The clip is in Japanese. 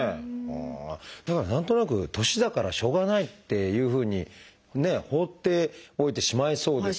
だから何となく年だからしょうがないっていうふうにね放っておいてしまいそうですけれども。